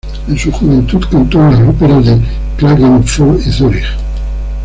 En su juventud, cantó en las óperas de Klagenfurt y Zürich.